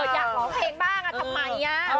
อยากหอเพลงบ้างอะทำไมอะ